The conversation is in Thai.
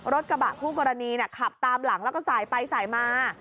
รถกระบะคู่กรณีขับตามหลังแล้วก็สายไปสายมา